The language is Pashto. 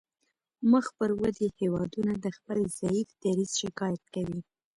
مخ پر ودې هیوادونه د خپل ضعیف دریځ شکایت کوي